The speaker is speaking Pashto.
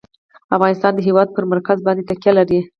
افغانستان د هېواد پر مرکز باندې تکیه لري.